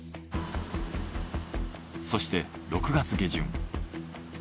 そして６月下旬。